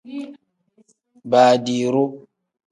Baadiru.